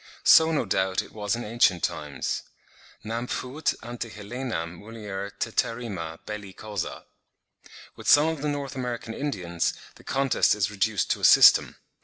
So no doubt it was in ancient times; "nam fuit ante Helenam mulier teterrima belli causa." With some of the North American Indians, the contest is reduced to a system.